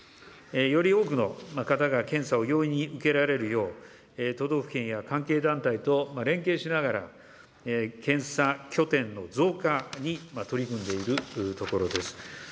より多くの方が検査を容易に受けられるよう、都道府県や関係団体と連携しながら、検査拠点の増加に取り組んでいるところです。